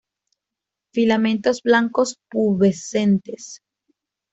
Filamentos blancos pubescentes.